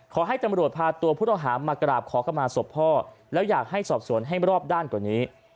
ขอให้ตำรวจพาตัวผู้ต้องหามากราบขอเข้ามาศพพ่อแล้วอยากให้สอบสวนให้รอบด้านกว่านี้